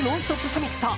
サミット。